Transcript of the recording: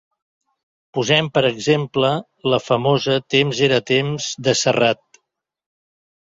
Posem, per exemple, la famosa «Temps era temps» de Serrat.